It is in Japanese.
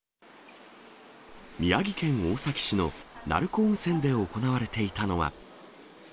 宮城県大崎市の鳴子温泉で行われていたのは。